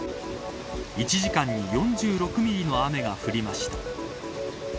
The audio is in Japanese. １時間に４６ミリの雨が降りました。